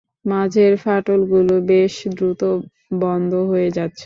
মাঝের ফাটলগুলো বেশ দ্রুত বন্ধ হয়ে যাচ্ছে!